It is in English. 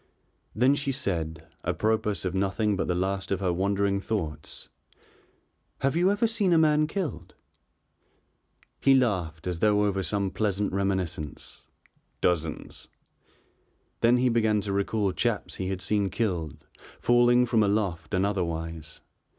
Then she said, apropos of nothing but the last of her wandering thoughts: "Have you ever seen a man killed?" He laughed as though over some pleasant reminiscence. "Dozens." Then he began to recall chaps he had seen killed, falling from aloft and otherwise.